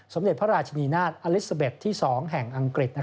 สมเด็จพระราชนีนาฏอลิซาเบ็ดที่๒แห่งอังกฤษ